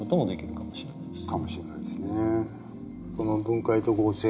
かもしれないですね。